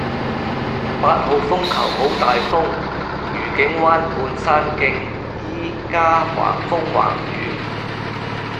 八號風球好大風，愉景灣畔山徑依家橫風橫雨